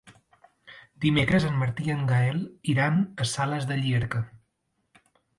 Dimecres en Martí i en Gaël iran a Sales de Llierca.